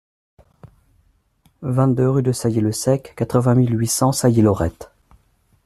vingt-deux rue de Sailly le Sec, quatre-vingt mille huit cents Sailly-Laurette